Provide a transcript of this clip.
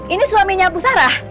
ini suaminya bu sarah